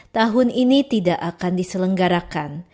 tahun ini tidak akan diselenggarakan